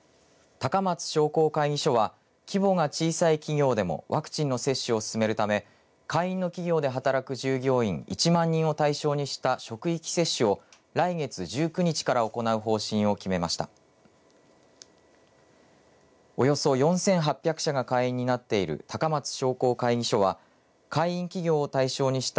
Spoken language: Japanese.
高松商工会議所は規模が小さい企業でもワクチンの接種を進めるため会員の企業で働く従業員１万人を対象にした職域接種を来月１９日から行う方針を決めました。